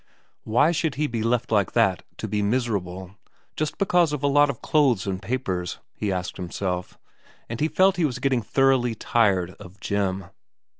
Why should he be left like that to be miserable, just because of a lot v VERA 53 of clothes and papers ? he asked himself ; and he felt he was getting thoroughly tired of Jim.